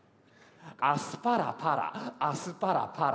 「アスパラパラアスパラパラ」